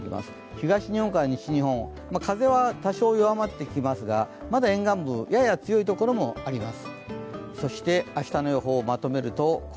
東日本から西日本風は多少弱まってきますがまだ沿岸部、やや強いところもあります。